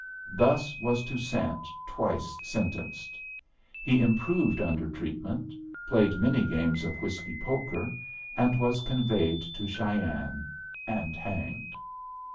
Thus was Toussaint twice sentenced. He improved under treatment, played many games of whiskey poker, and was conveyed to Cheyenne and hanged.